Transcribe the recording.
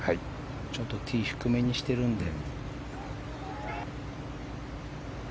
ちょっとティーを低めにしてるので。